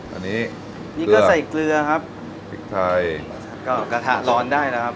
อันนี้นี่ก็ใส่เกลือครับพริกไทยก็กระทะร้อนได้นะครับ